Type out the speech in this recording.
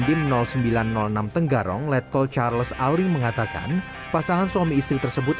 dan bim sembilan ratus enam tenggarong letkol charles aling mengatakan pasangan suami istri tersebut